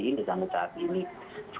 di zaman saat ini